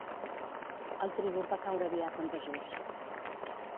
El tribut va caure aviat en desús.